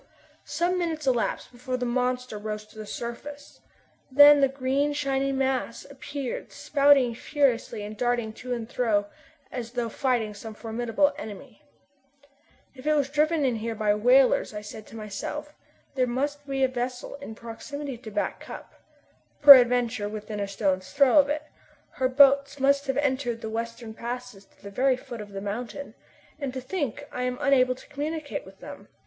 Some minutes elapsed before the monster rose to the surface. Then the green shiny mass appeared spouting furiously and darting to and fro as though fighting with some formidable enemy. "If it was driven in here by whalers," I said to myself, "there must be a vessel in proximity to Back Cup peradventure within a stone's throw of it. Her boats must have entered the western passes to the very foot of the mountain. And to think I am unable to communicate with them!